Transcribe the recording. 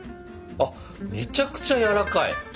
あっめちゃくちゃやわらかい！ね。